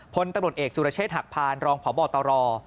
พลตำรวจเอกสุรเชษฐหักพานรองพบตร